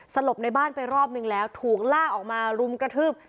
สลบในบ้านไปรอบนึงแล้วถูกลากออกมารุมกระทืบ